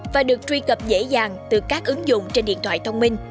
và được truy cập dễ dàng từ các ứng dụng trên điện thoại thông minh